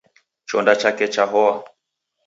Chonda chake chahoa.